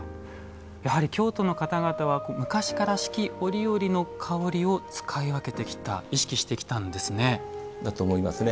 やはり京都の方々は昔から四季折々の香りを使い分けてきた意識してきたんですね。